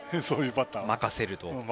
任せると。